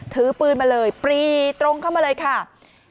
ถือปืนมาเลยปรีตรงเข้ามาเลยค่ะ